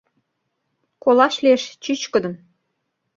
Колаш лиеш чӱчкыдын: